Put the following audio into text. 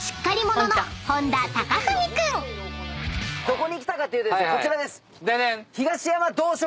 どこに来たかっていうとですねこちらです。